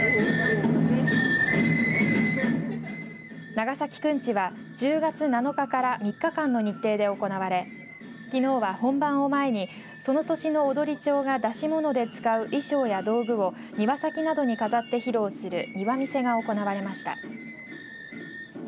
長崎くんちは１０月７日から３日間の日程で行われきのうは本番を前にその年の踊町が演し物で使う衣装や道具を庭先などに飾って披露する庭見世が行われました。